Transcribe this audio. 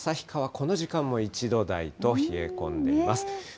旭川、この時間も１度台と冷え込んでいます。